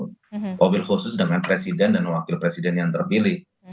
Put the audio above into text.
mobil khusus dengan presiden dan wakil presiden yang terpilih